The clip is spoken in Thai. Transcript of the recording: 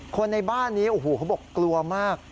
คนในบ้านนี้เขาบอกกลัวมาก